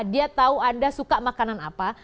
dia tahu anda suka makanan apa